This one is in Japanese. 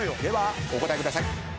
ではお答えください。